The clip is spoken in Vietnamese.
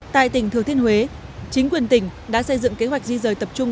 tại tỉnh thừa thiên huế chính quyền tỉnh đã xây dựng kế hoạch di rời tập trung